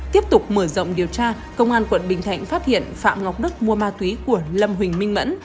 tiếp tục mở rộng điều tra công an tp hcm phát hiện phạm ngọc đức mua ma túy của lâm huỳnh minh mẫn